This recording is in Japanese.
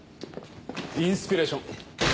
インスピレーション。